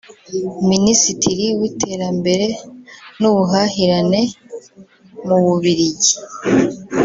Minisitiri w’iterambere n’ubuhahirane mu Bubiligi